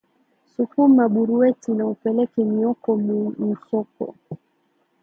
Sukuma buruweti na upeleke mioko mu nsoko